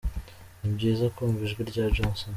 Ni byiza kumva ijwi rya Jason.